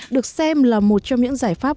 được xem là một trong những giải pháp